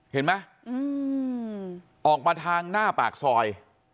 เห็นไหมออกมาทางหน้าปากซอย